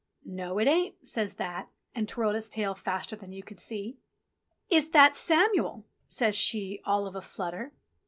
"No, it ain't," says That, and twirled its tail faster than you could see. "Is That Samuel ?'* says she all of a flutter.